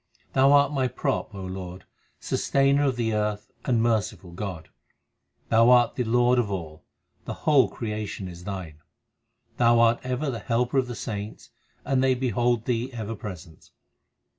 Thou art my prop, O Lord, Sustainer of the earth, and merciful God ; Thou art the Lord of all ; the whole creation is Thine. Thou art ever the Helper of the saints, and they behold Thee ever present.